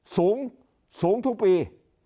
สูงสูงทุกปี